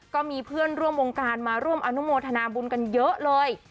ก็มีเพื่อนร่วมวงการมาร่วมอนุโมทนาบุญกันเยอะเลย